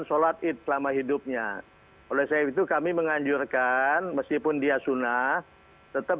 sholat id selama hidupnya oleh sebab itu kami menganjurkan meskipun dia sunnah tetap